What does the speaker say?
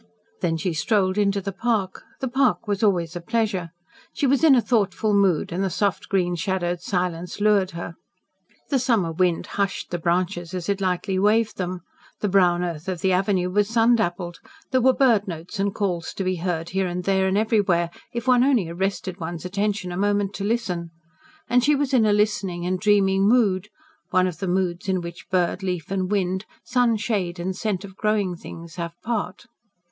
Then she strolled into the park. The park was always a pleasure. She was in a thoughtful mood, and the soft green shadowed silence lured her. The summer wind hus s shed the branches as it lightly waved them, the brown earth of the avenue was sun dappled, there were bird notes and calls to be heard here and there and everywhere, if one only arrested one's attention a moment to listen. And she was in a listening and dreaming mood one of the moods in which bird, leaf, and wind, sun, shade, and scent of growing things have part.